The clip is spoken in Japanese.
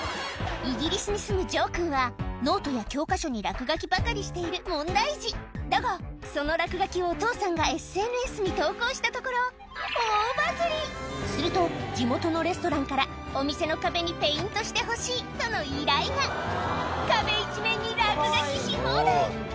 イギリスに住むジョー君はノートや教科書に落書きばかりしている問題児だがその落書きをお父さんがＳＮＳに投稿したところすると地元のレストランからお店の壁にペイントしてほしいとの依頼が壁一面に落書きし放題！